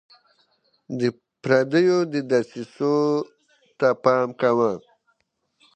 د پردیو دسیسو ته پام کوئ.